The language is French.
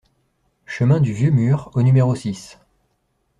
Chemin du Vieux Mur au numéro six